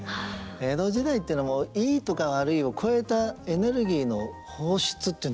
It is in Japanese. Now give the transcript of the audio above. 江戸時代っていうのもいいとか悪いを超えたエネルギーの放出っていうんでしょうかね。